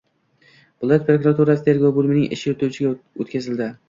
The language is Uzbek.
viloyat prokuraturasi tergov bo‘limining ish yurituviga o‘tkaziladi.